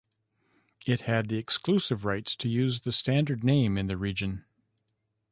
It had the exclusive rights to use the Standard name in the region.